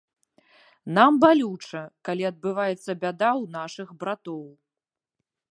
Нам балюча, калі адбываецца бяда ў нашых братоў.